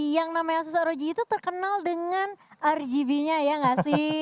yang nama asus rog itu terkenal dengan rgb nya ya enggak sih